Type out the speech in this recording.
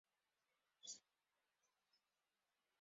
For this action, Oskar earned the Iron Cross, Second Class.